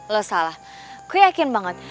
lo salah gue yakin banget